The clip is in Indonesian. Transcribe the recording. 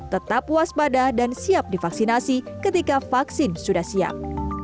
tetap waspada dan siap divaksinasi ketika vaksin sudah siap